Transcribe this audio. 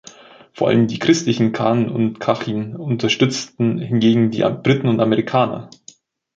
Vor allem die christlichen Karen und Kachin unterstützten hingegen die Briten und Amerikaner.